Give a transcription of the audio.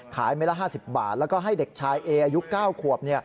เม็ดละ๕๐บาทแล้วก็ให้เด็กชายเออายุ๙ขวบ